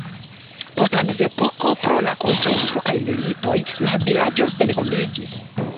Post la mezepoko pro la kontraŭturkaj militoj la vilaĝo senhomiĝis.